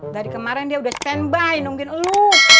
dari kemarin dia udah standby mungkin lu